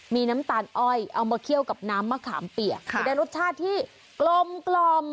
มีน้ำตาลอ่อยเอามาเคี่ยวกับน้ำมะขามเปียก